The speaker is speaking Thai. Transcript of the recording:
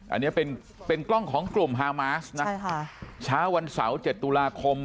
อันนี้เป็นเป็นกล้องของกลุ่มฮามาสนะใช่ค่ะเช้าวันเสาร์๗ตุลาคม